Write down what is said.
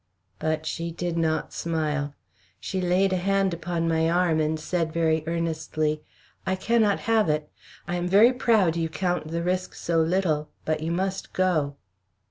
But she did not smile. She laid a hand upon my arm, and said, very earnestly: "I cannot have it. I am very proud you count the risk so little, but you must go."